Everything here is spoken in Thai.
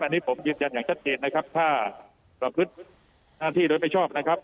อันนี้ผมยืนยันอย่างชัดเจนนะครับถ้าประพฤติหน้าที่โดยไม่ชอบนะครับ